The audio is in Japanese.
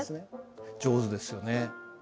上手ですよね。